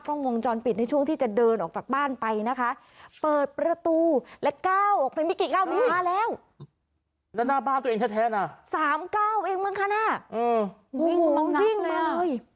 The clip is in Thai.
โอ้โหนวิ่งมาเลย